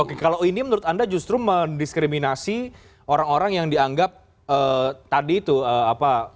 oke kalau ini menurut anda justru mendiskriminasi orang orang yang dianggap tadi itu apa